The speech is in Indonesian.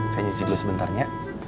saya nyuci dulu sebentarnya